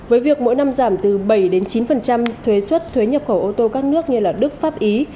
với việc mỗi năm giảm từ bảy đến chín thuế xuất thuế nhập khẩu ô tô các nước như đức pháp ý